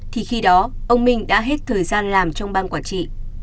thì khi đó ông minh đã hết thời gian làm trong ban quản trị